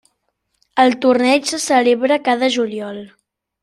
El torneig se celebra cada juliol.